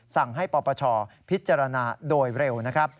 สั่งให้ปปชพิจารณาโดยเร็วนะครับ